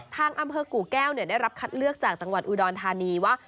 ทางอำเภอกู่แก้วได้รับคัดเลือกจากจังหวัดอุดรธานีว่า